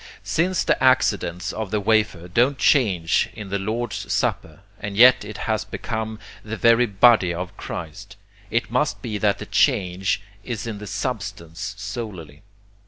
Since the accidents of the wafer don't change in the Lord's supper, and yet it has become the very body of Christ, it must be that the change is in the substance solely.